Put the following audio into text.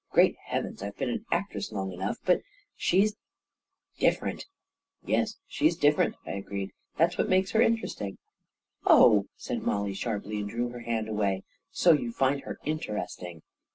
Great heavens ! I've been an actress long enough I But she's — different !"" Yes, she's different," I agreed. " That's what makes her interesting." " Oh," said Mollie sharply, and drew her hand away; " so you find her interesting!